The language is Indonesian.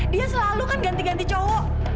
dia selalu kan ganti ganti cowok